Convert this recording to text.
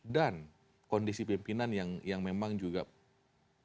dan kondisi pimpinan yang memang juga belum clear